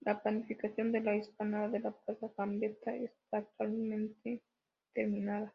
La planificación de la explanada de la plaza Gambetta está actualmente terminada.